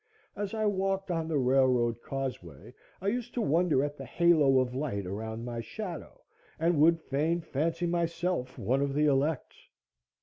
As I walked on the railroad causeway, I used to wonder at the halo of light around my shadow, and would fain fancy myself one of the elect.